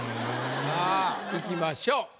さあいきましょう。